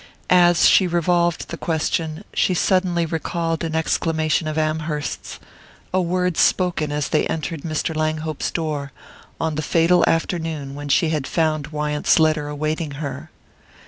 As she revolved the question she suddenly recalled an exclamation of Amherst's a word spoken as they entered Mr. Langhope's door, on the fatal afternoon when she had found Wyant's letter awaiting her.